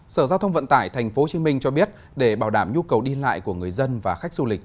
sở giao thông vận tải tp hcm cho biết để bảo đảm nhu cầu đi lại của người dân và khách du lịch